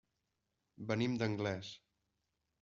Venim d'Anglès.